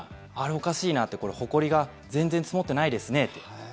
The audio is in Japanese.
おかしいなってこれ、ほこりが全然積もってないですねって。